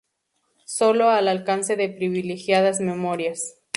sólo al alcance de privilegiadas memorias